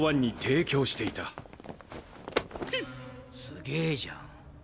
すげじゃん。